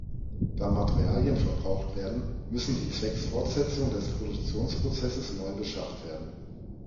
Da Materialien verbraucht werden, müssen sie zwecks Fortsetzung des Produktionsprozesses neu beschafft werden.